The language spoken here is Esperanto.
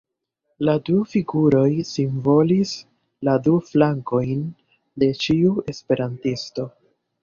La du figuroj simbolis la du flankojn de ĉiu esperantisto.